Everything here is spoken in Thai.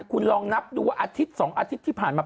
คุณลองนับดูว่าอาทิตย์๒อาทิตย์ที่ผ่านมา